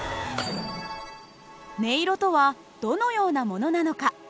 音色とはどのようなものなのか。